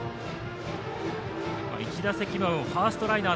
１打席目はファーストライナー